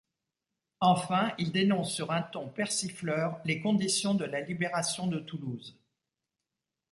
Enfin il dénonce sur un ton persifleur les conditions de la libération de Toulouse.